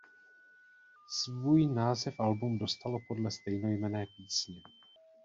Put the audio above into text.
Svůj název album dostalo podle stejnojmenné písně.